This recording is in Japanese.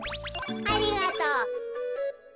ありがとう。